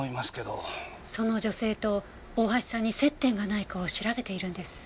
その女性と大橋さんに接点がないかを調べているんです。